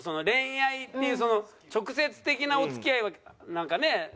恋愛っていうその直接的なお付き合いはなんかね